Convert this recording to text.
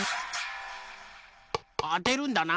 あてるんだな。